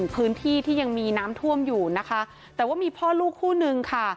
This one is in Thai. พื้นที่ที่ยังมีน้ำท่วมอยู่นะคะแต่ว่ามีพ่อลูกคู่นึงค่ะ